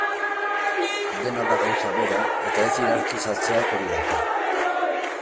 Dena da gauza bera, eta ez hierarkizatzeak hori dakar.